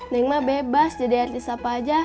neng mah bebas jadi artis apa aja